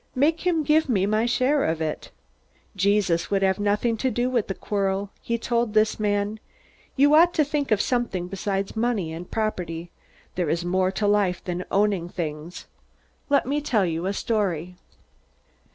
Make him give me my share of it." Jesus would have nothing to do with the quarrel. He told this man: "You ought to think of something besides money and property. There is more to life than owning things. Let me tell you a story.